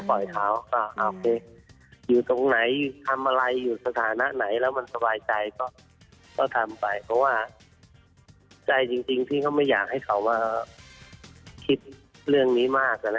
เขาก็โอเคอยู่ตรงไหนทำอะไรอยู่สถานะไหนแล้วมันสบายใจก็ทำไปเพราะว่าใจจริงพี่ก็ไม่อยากให้เขามาคิดเรื่องนี้มาก